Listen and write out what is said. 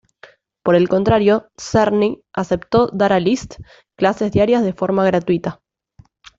Por el contrario, Czerny aceptó dar a Liszt clases diarias de forma gratuita.